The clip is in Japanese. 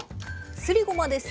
すりごまですね。